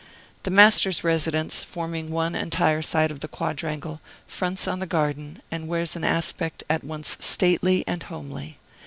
The Master's residence, forming one entire side of the quadrangle, fronts on the garden, and wears an aspect at once stately and homely.